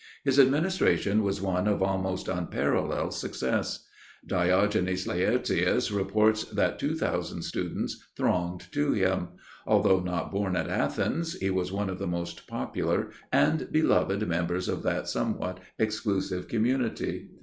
His administration was one of almost unparalleled success. Diogenes Laertius reports that two thousand students thronged to him. Although not born at Athens, he was one of the most popular and beloved members of that somewhat exclusive community.